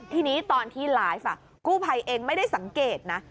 ทีนี้ตอนที่ไลฟ์กู้ภัยเองไม่ได้สังเกตนะ